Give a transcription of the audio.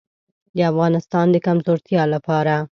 د افغانستان د کمزورتیا لپاره.